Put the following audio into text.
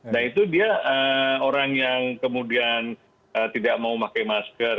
nah itu dia orang yang kemudian tidak mau pakai masker